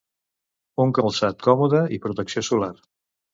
un calçat còmode i protecció solar